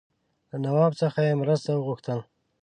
له نواب څخه یې مرسته وغوښتل.